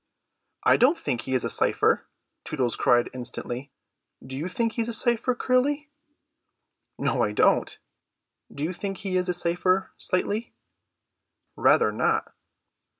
"I don't think he is a cypher," Tootles cried instantly. "Do you think he is a cypher, Curly?" "No, I don't. Do you think he is a cypher, Slightly?" "Rather not.